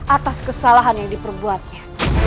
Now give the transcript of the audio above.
atas kesalahan yang diperbuatnya